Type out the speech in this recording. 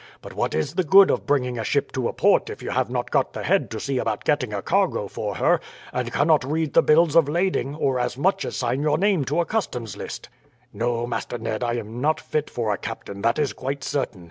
But what is the good of bringing a ship to a port if you have not got the head to see about getting a cargo for her, and cannot read the bills of lading, or as much as sign your name to a customs list. "No, Master Ned, I am not fit for a captain, that is quite certain.